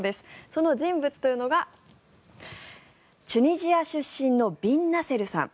その人物というのがチュニジア出身のビン・ナセルさん。